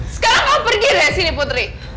sekarang kamu pergi dari sini putri